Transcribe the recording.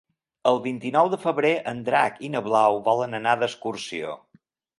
El vint-i-nou de febrer en Drac i na Blau volen anar d'excursió.